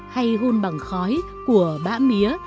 hay hôn bằng khói của bá mía